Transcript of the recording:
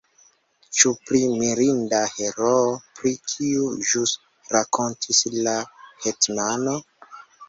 Ĉu pri mirinda heroo, pri kiu ĵus rakontis la hetmano?